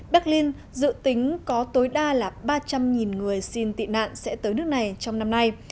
berlin dự tính có tối đa là ba trăm linh người xin tị nạn sẽ tới nước này trong năm nay